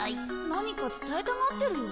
何か伝えたがってるよ。